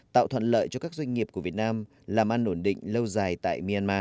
tạo thuận lợi cho các doanh nghiệp của việt nam làm ăn ổn định lâu dài tại myanmar